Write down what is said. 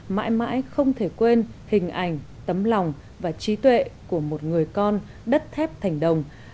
mãi mãi không thể quên hình ảnh tấm lòng và trí tuệ của một người con đất thép thành đồng